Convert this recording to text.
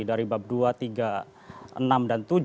dari bab dua tiga enam dan tujuh